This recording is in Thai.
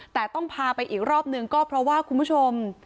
แต่ต้องพาไปอีกรอบหนึ่งก็เพราะว่าคุณผู้ชม